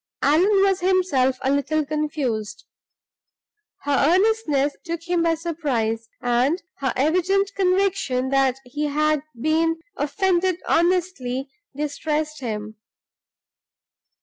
Allan was himself a little confused. Her earnestness took him by surprise, and her evident conviction that he had been offended honestly distressed him.